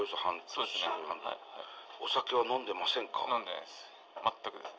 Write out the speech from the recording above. お酒は飲んでませんか？